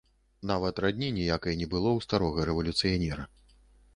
Нават радні ніякай не было ў старога рэвалюцыянера.